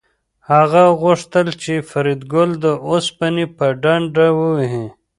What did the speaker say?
هغه غوښتل چې فریدګل د اوسپنې په ډنډه ووهي